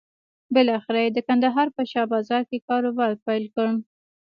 بالاخره یې د کندهار په شا بازار کې کاروبار پيل کړ.